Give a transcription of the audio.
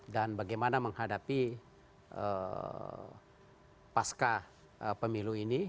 dan bagaimana menghadapi pasca pemilu ini